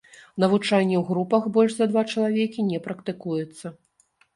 Навучанне ў групах больш за два чалавекі не практыкуецца.